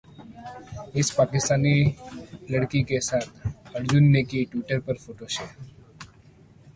इस पाकिस्तानी लड़की के साथ अर्जुन ने की ट्विटर पर फोटो शेयर